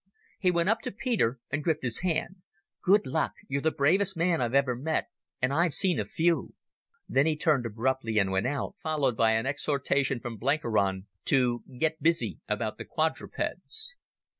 He went up to Peter and gripped his hand. "Good luck. You're the bravest man I've ever met, and I've seen a few." Then he turned abruptly and went out, followed by an exhortation from Blenkiron to "Get busy about the quadrupeds."